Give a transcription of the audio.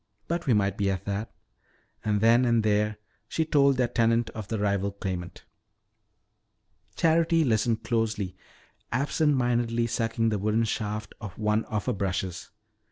"But we might be that." And then and there she told their tenant of the rival claimant. Charity listened closely, absent mindedly sucking the wooden shaft of one of her brushes.